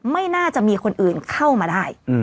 ไม่น่าจะมีคนอื่นเข้ามาได้